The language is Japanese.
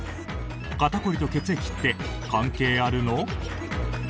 肩凝りと血液って関係あるの？